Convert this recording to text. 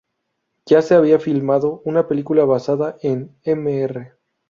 Ya se había filmado una película basada en "Mr.